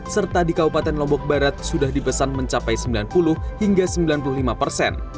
serta di kabupaten lombok barat sudah dipesan mencapai sembilan puluh hingga sembilan puluh lima persen